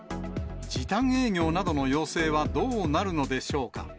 時短営業などの要請はどうなるのでしょうか。